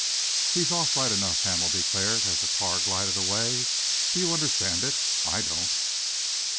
"He's off, right enough," Hamel declared, as the car glided away. "Do you understand it? I don't."